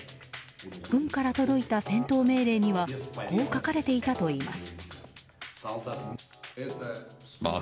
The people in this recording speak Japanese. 軍から届いた戦闘命令にはこう書かれていたといいます。